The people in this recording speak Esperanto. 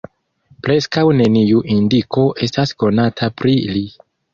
Preskaŭ neniu indiko estas konata pri li.